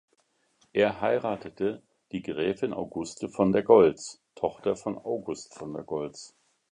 Er heiratete die Gräfin Auguste von der Goltz, Tochter von August von der Goltz.